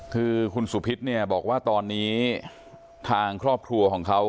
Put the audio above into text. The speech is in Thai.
คือคุณสุพิษเนี่ยบอกว่าตอนนี้ทางครอบครัวของเขา